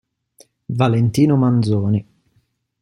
Valentino Manzoni